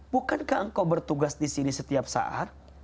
bukankah engkau bertugas disini setiap saat